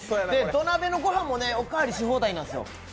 土鍋のご飯もおかわりし放題なんですよ。